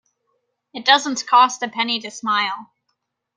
It doesn't cost a penny to smile.